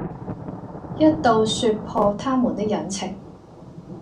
一到説破他們的隱情，